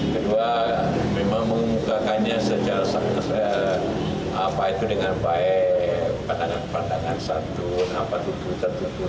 kedua memang mengukahkannya secara sangat apa itu dengan baik pandangan pandangan satu apa itu tertutup